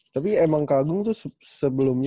tapi emang kak agung itu sebelumnya